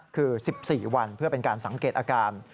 คือ๑๔วันเพื่อเป็นการสังเกตอาการ